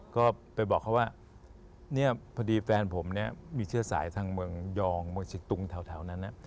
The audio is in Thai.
ก็ไปบอกเขาว่าเนี่ยพอดีแฟนผมเนี่ยมีเชื้อสายทางเมืองยองเมืองสิกตุงแถวนั้น